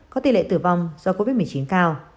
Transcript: có tỷ lệ tử vong do covid một mươi chín cao